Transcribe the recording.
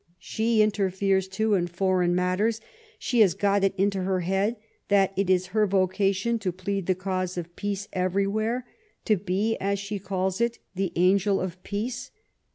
She interferes, too, in foreign matters ; she has got it into her head that it is her vocation to plead the cause of peace everywhere — to be, as she calls it, the Angel of Peace."